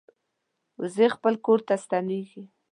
وزې خپل کور ته ستنېږي